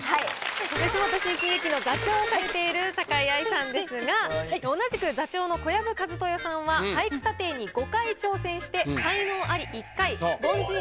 吉本新喜劇の座長をされている酒井藍さんですが同じく座長の小籔千豊さんは俳句査定に５回挑戦して。